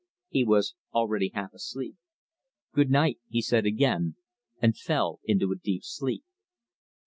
He was already half asleep. "Good night!" he said again, and fell into a deep sleep.